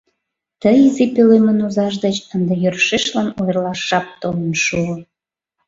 Ты изи пӧлемын озаж деч ынде йӧршешлан ойырлаш жап толын шуо.